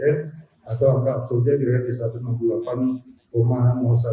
untuk aplikasi tadi saya jawab di depan seluruhnya